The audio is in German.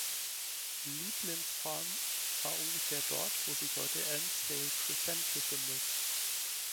Lieblins Farm war ungefähr dort, wo sich heute Elmsdale Crescent befindet.